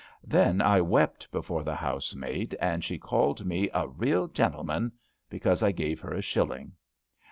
'' Then I wept before the housemaid, and she called me a ^^ real gentle man " because I gave her a shilling.